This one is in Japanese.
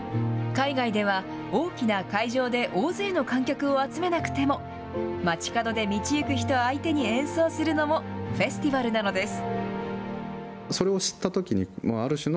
海外では大きな会場で大勢の観客を集めなくても、街角で道行く人相手に演奏するのもフェスティバルなのです。